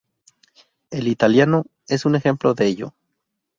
El italiano es un ejemplo de ello.